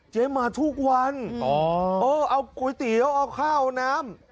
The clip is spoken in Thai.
เจ๊มาทุกวันเอาก๋วยเตี๋ยวเอาข้าวเอาน้ำ